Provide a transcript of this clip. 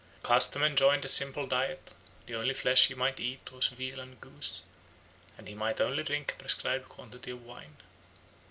Custom enjoined a simple diet; the only flesh he might eat was veal and goose, and he might only drink a prescribed quantity of wine."